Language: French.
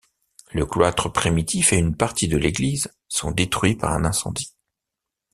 Le cloître primitif et une partie de l'église sont détruits par un incendie.